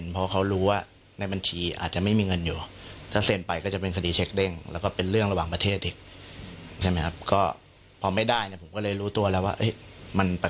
เพราะว่าคนที่เขาให้ข้อมูลเขาขออนุญาตยังไม่เปิดเผยละกัน